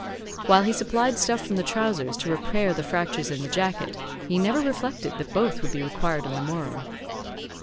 While he supplied stuff from the trousers to repair the fractures in the jacket, he never reflected that both would be required on the morrow.